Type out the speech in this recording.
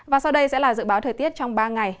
và sau đây sẽ là dự báo thời tiết trong ba ngày